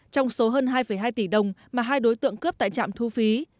trong số hơn hai hai tỷ đồng mà hai đối tượng cướp tại trạm thu phí